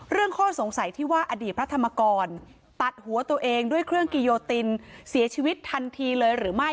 ข้อสงสัยที่ว่าอดีตพระธรรมกรตัดหัวตัวเองด้วยเครื่องกิโยตินเสียชีวิตทันทีเลยหรือไม่